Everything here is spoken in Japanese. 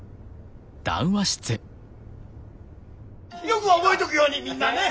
よく覚えとくようにみんなね！